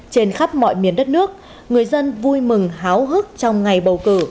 trên khắp mọi miền đất nước người dân vui mừng háo hức trong ngày bầu cử